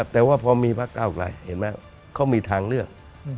แต่ว่าพอมีพักก้าวไกลเขามีทางเลือก